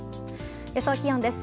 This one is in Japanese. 予想気温です。